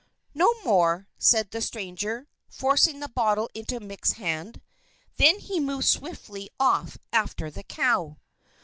"No more," said the stranger, forcing the bottle into Mick's hand. Then he moved swiftly off after the cow.